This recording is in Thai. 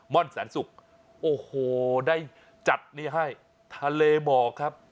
่อนแสนศุกร์โอ้โหได้จัดนี้ให้ทะเลหมอกครับ